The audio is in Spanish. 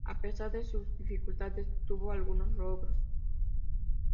A pesar de sus dificultades, tuvo algunos logros.